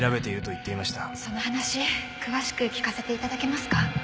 その話詳しく聞かせて頂けますか？